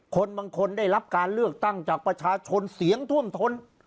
คนบางคนได้รับการเลือกตั้งจากประชาชนเสียงท่วมทน